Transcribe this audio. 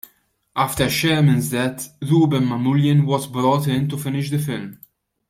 After Sherman's death, Rouben Mamoulian was brought in to finish the film.